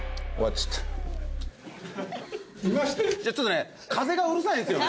ちょっとね風がうるさいんですよね。